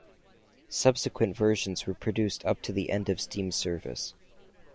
Subsequent versions were produced up to the end of steam service.